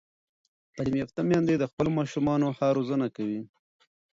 تعلیم یافته میندې د خپلو ماشومانو ښه روزنه کوي.